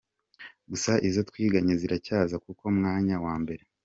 Gusa izo twiganye ziracyaza ku mwanya wa mbere".